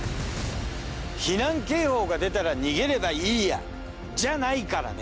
避難警報が出たら逃げればいいやじゃないからね。